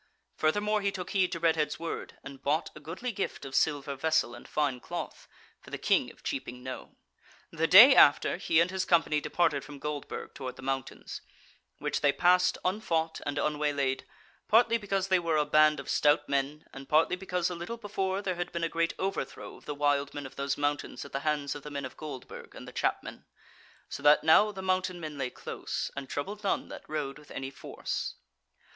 Furthermore he took heed to Redhead's word and bought a goodly gift of silver vessel and fine cloth for the King of Cheaping Knowe. The day after he and his company departed from Goldburg toward the mountains, which they passed unfought and unwaylaid: partly because they were a band of stout men, and partly because a little before there had been a great overthrow of the wild men of those mountains at the hands of the men of Goldburg and the Chapmen; so that now the mountain men lay close, and troubled none that rode with any force.